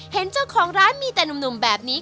เห็นเจ้าของร้านมีแต่หนุ่มแบบนี้